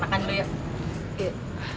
makan dulu yuk